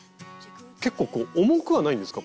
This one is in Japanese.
結構重くはないんですか？